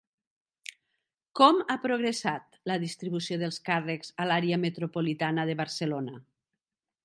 Com ha progressat la distribució dels càrrecs a l'Àrea Metropolitana de Barcelona?